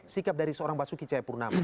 sikap dari seorang basuki cahayapurnama